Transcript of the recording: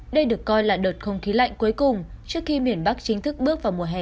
đây được coi là đợt không khí lạnh cuối cùng trước khi miền bắc chính thức bước vào mùa hè hai nghìn hai mươi bốn